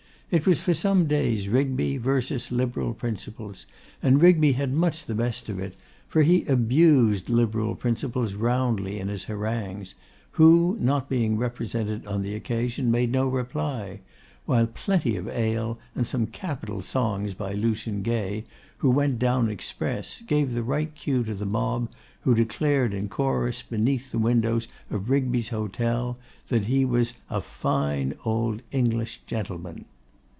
It was for some days Rigby versus Liberal principles; and Rigby had much the best of it; for he abused Liberal principles roundly in his harangues, who, not being represented on the occasion, made no reply; while plenty of ale, and some capital songs by Lucian Gay, who went down express, gave the right cue to the mob, who declared in chorus, beneath the windows of Rigby's hotel, that he was 'a fine old English gentleman!